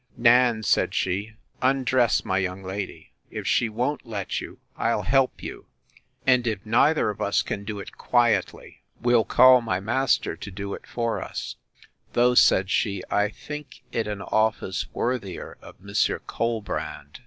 Nan, said she, undress my young lady. If she won't let you, I'll help you; and, if neither of us can do it quietly, we'll call my master to do it for us; though, said she, I think it an office worthier of Monsieur Colbrand!